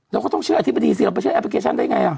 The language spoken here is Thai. เราก็ต้องเชื่ออธิบดีสิเราไปเชื่อแอปพลิเคชันได้ไง